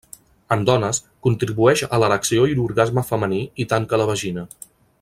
En dones, contribueix a l'erecció i orgasme femení i tanca la vagina.